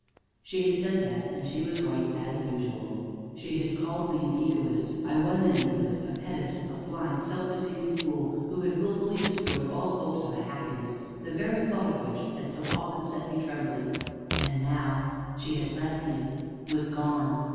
She had said that, and she was right as usual. She had called me an egoist I was an egoist, a pedant, a blind, self deceiving fool who had wilfully destroyed all hopes of a happiness the very thought of which had so often set me trembling and now she had left me was gone!